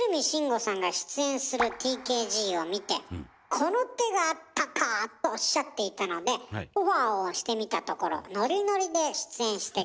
辰吾さんが出演するＴＫＧを見て「この手があったか！」とおっしゃっていたのでオファーをしてみたところそうですね